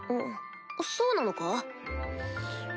そうなのか？